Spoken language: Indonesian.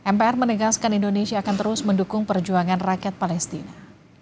mpr menegaskan indonesia akan terus mendukung perjuangan rakyat palestina